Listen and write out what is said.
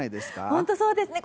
本当そうですね。